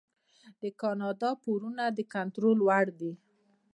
د کاناډا پورونه د کنټرول وړ دي.